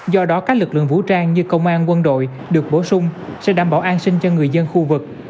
do đó các lực lượng vũ trang như công an quân đội được bổ sung sẽ đảm bảo an sinh cho người dân khu vực